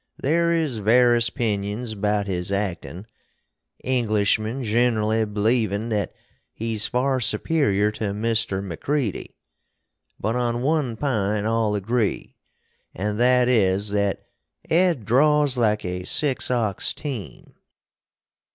There is varis 'pinions about his actin, Englishmen ginrally bleevin that he's far superior to Mister Macready; but on one pint all agree, & that is that Ed draws like a six ox team.